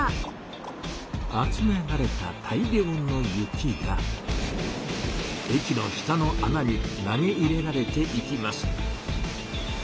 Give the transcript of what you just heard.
集められた大量の雪が駅の下のあなに投げ入れられていきます。